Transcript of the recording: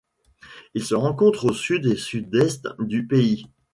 Il se rencontre au Sud et au Sud-Est du pays.